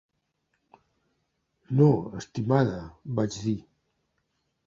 "No, estimada", vaig dir.